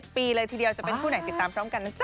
ปีเลยทีเดียวจะเป็นคู่ไหนติดตามพร้อมกันนะจ๊